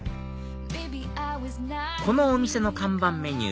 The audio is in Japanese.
このお店の看板メニュー